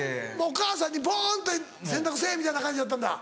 お母さんにボン！と「洗濯せぇ」みたいな感じだったんだ。